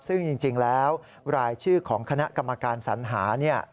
ซึ่งจริงแล้วรายชื่อของคณะกรรมการสัญหาเนี่ย